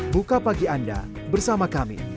buka pagi anda bersama kami